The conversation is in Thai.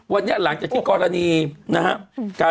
วันนี้หลังจากที่กรณีนะครับ